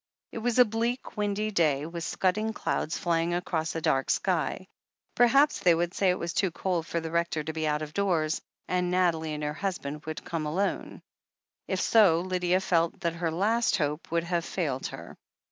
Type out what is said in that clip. It was a bleak, windy day, with scudding clouds fly ing across a dark sky. Perhaps they would say it was too cold for the Rector to be out of doors, and Nathalie and her husband would come alone. If so, Lydia felt that her last hope would have failed her.